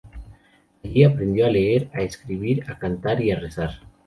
Allí aprendió a leer, a escribir, a cantar y a rezar.